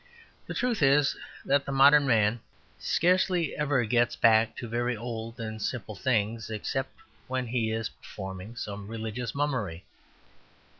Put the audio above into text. The truth is that the modern man scarcely ever gets back to very old and simple things except when he is performing some religious mummery.